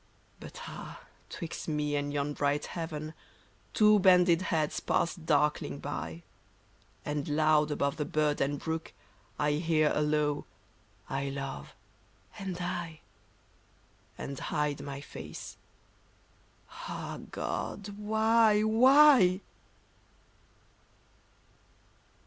But ah ! 'twixt me and yon bright heaven Two bended heads pass darkling by ; And loud above the bird and brook I hear a low " I love," " And I "— And hide my face. Ah God ! Why